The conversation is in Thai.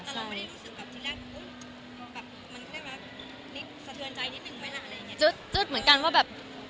จะจุดจุดเหมือนกันว่าแบบ